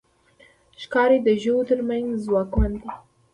ښکاري د ژويو تر منځ ځواکمن دی.